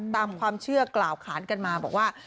ตามความเชื่อกล่าวขานกันมาบอกว่า